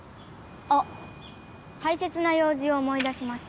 あたいせつな用事を思い出しました。